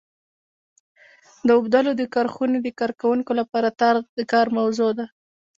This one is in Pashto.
د اوبدلو د کارخونې د کارکوونکو لپاره تار د کار موضوع ده.